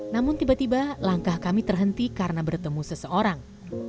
namun tiba tiba langkah kami terhenti karena bertemu seseorang